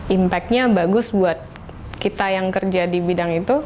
impact nya bagus buat kita yang kerja di bidang itu